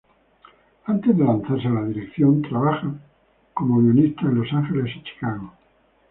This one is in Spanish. Antes de lanzarse a la dirección, trabaja como guionista en Los Ángeles y Chicago.